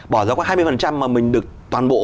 bỏ ra khoảng hai mươi mà mình được toàn bộ